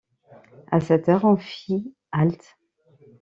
À sept heures, on fit halte.